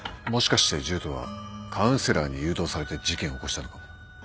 もしかしてジュートはカウンセラーに誘導されて事件を起こしたのか？